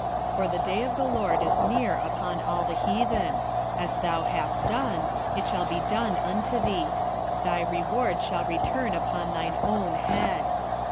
1:15 For the day of the LORD is near upon all the heathen: as thou hast done, it shall be done unto thee: thy reward shall return upon thine own head.